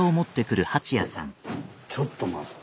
ちょっと待って。